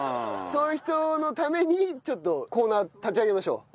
そういう人のためにちょっとコーナー立ち上げましょう。